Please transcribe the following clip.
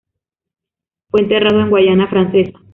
Fue enterrado en Guayana Francesa.